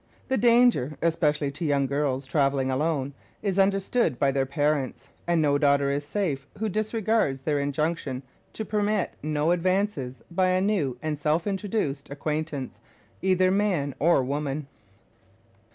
The danger, especially to young girls traveling alone, is understood by their parents; and no daughter is safe who disregards their injunction to permit no advances by a new and self introduced acquaintance, either man or woman.